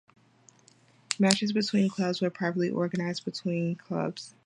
Matches between clubs were privately organised between clubs.